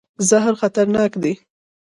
زهر خطرناک دی.